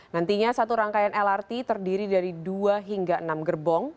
nantinya satu rangkaian lrt terdiri dari dua hingga enam gerbong